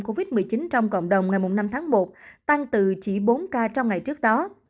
covid một mươi chín trong cộng đồng ngày năm tháng một tăng từ chỉ bốn ca trong ngày trước đó